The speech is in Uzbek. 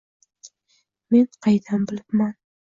Men qaydan bilibman